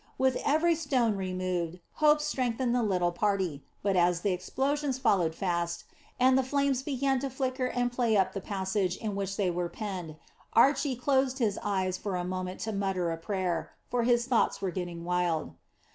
With every stone removed, hope strengthened the little party; but as the explosions followed fast, and the flames began to flicker and play up the passage in which they were penned, Archy closed his eyes for a few moments to mutter a prayer, for his thoughts were getting wild.